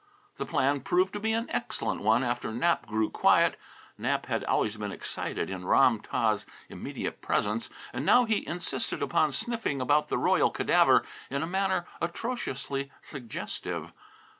The plan proved to be an excellent one after Nap grew quiet. Nap had always been excited in Ram tah's immediate presence, and now he insisted upon sniffing about the royal cadaver in a manner atrociously suggestive.